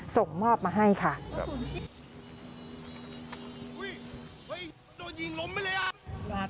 ส่งมอบมาให้ค่ะครับ